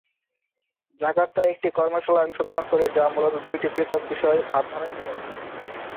জাকার্তায় একটি কর্মশালায় অংশগ্রহণ করে যা মূলত দুইটি পৃথক বিষয়/ভাবধারায় বিভক্ত।